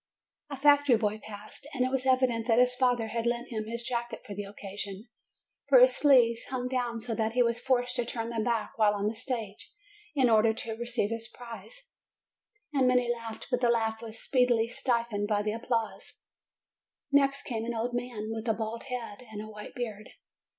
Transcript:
A factory boy passed, and it was evident that his father had lent him his jacket for the occasion, for his sleeves hung down so that he was forced to turn them back while on the stage, in order to receive his prize : and many laughed; but the laugh was speedily stifled by the applause. Next came an old man with a bald head and a white beard.